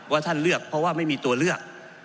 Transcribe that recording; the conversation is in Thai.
ท่านเลือกเพราะว่าไม่มีตัวเลือก